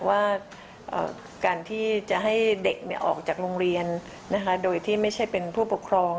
ว่าการที่จะให้เด็กออกจากโรงเรียนโดยที่ไม่ใช่เป็นผู้ปกครอง